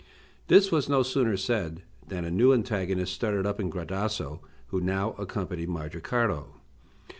This was no sooner said than a new antagonist started up in Gradasso, who now accompanied Mandricardo.